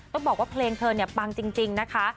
ต้องบอกว่าเพลงเธอเนี่ยปังจริงนะคะ